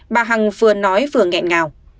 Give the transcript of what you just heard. bà hằng vừa nói vừa nghẹn ngào